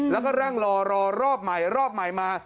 แล้วก็นั่งรอรอรอบใหม่รอบใหม่มา